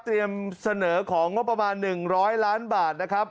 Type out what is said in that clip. เตรียมเสนอของว่าประมาณ๑๐๐ล้านบาทนะครับ